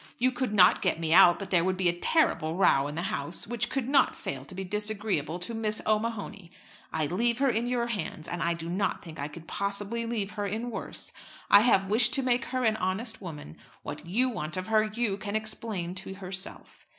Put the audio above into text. "You could not get me out, but there would be a terrible row in the house, which could not fail to be disagreeable to Miss O'Mahony. I leave her in your hands, and I do not think I could possibly leave her in worse. I have wished to make her an honest woman; what you want of her you can explain to herself."